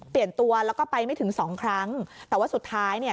เปลี่ยนตัวแล้วก็ไปไม่ถึงสองครั้งแต่ว่าสุดท้ายเนี่ย